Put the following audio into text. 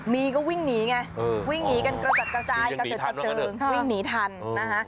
มีก็วิ่งหนีไงวิ่งหนีกันกระจัดกระจายกระเจิดกระเจิงวิ่งหนีทันนะคะ